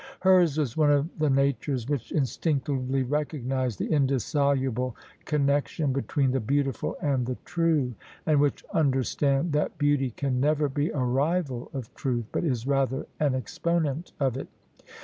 Hers was one of the natures which instinctively recognise the indissoluble connexion between the Beautiful and the True, and which understand that Beauty can never be a rival of Truth, but is rather an exponent of it.